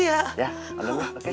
ya udah oke